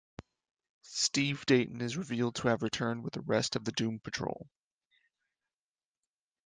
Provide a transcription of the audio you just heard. Steve Dayton is revealed to have returned with the rest of the Doom Patrol.